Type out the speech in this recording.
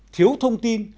thiếu thông tin